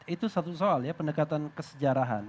itu satu soal ya pendekatan kesejarahan